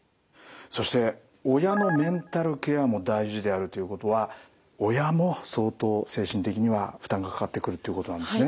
そして「親のメンタルケアも大事」であるということは親も相当精神的には負担がかかってくるっていうことなんですね。